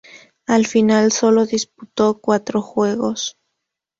Al final sólo disputó cuatro juegos.